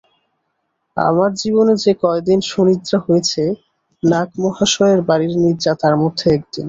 আমার জীবনে যে-কয় দিন সুনিদ্রা হয়েছে, নাগ-মহাশয়ের বাড়ীর নিদ্রা তার মধ্যে একদিন।